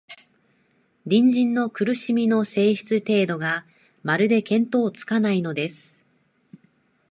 隣人の苦しみの性質、程度が、まるで見当つかないのです